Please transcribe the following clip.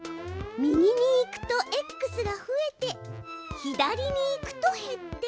右に行くとＸが増えて左に行くと減って。